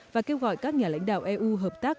và kêu gọi các nhà lãnh đạo eu hợp tác